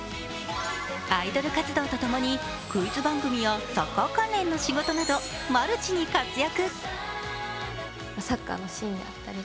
アイドル活動と共にクイズ番組やサッカー関連の仕事などマルチに活躍。